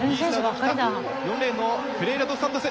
４レーンのフェレイラ・ドス・サントス。